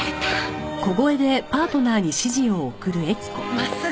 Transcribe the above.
真っすぐ！